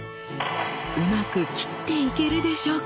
うまく切っていけるでしょうか？